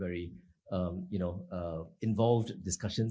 pertemuan yang bergantung dalam ini